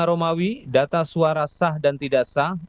romawi data suara sah dan tidak sah